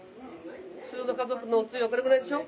普通の家族のお汁はこれぐらいでしょ？